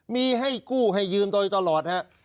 มีให้กู้ให้ยืมตัวตลอดนะครับ